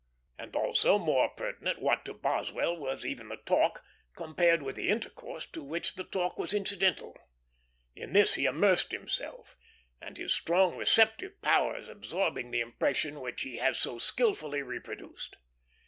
And also, more pertinent, what to Boswell was even the talk, compared with the intercourse to which the talk was incident? In this he immersed himself and his strong receptive powers, absorbing the impression which he has so skilfully reproduced.